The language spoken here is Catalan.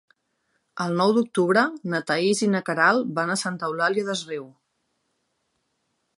El nou d'octubre na Thaís i na Queralt van a Santa Eulària des Riu.